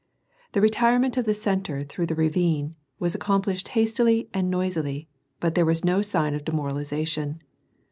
The retirement of the centre through the ravine was accomplished hastily and noisily, bat there was no sign of demoralization.